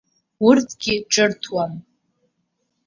Урҭгьы ҿырҭуам.